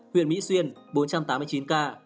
huyện mỹ xuyên bốn trăm tám mươi chín ca